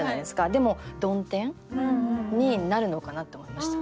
でも曇天になるのかなって思いました。